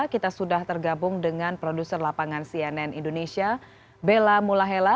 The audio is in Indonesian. kita sudah tergabung dengan produser lapangan cnn indonesia bella mulahela